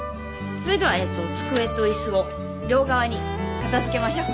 それではえっと机と椅子を両側に片づけましょ。